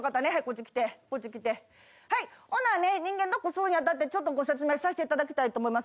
ほなね人間ドックするにあたってちょっとご説明させていただきたいと思います。